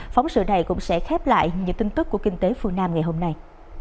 phóng sự này cũng sẽ khép lại những tin tức của kinh tế phương nam ngày hôm nay